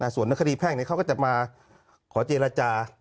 ส่วนนักคดีแพ่งเขาก็จะมาขอเจรจา